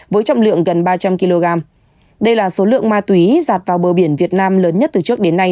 với trọng lượng gần ba trăm linh kg đây là số lượng ma túy giạt vào bờ biển việt nam lớn nhất từ trước đến nay